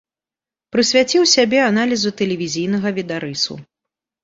Прысвяціў сябе аналізу тэлевізійнага відарысу.